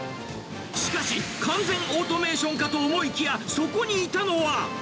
しかし、完全オートメーション化と思いきや、そこにいたのは。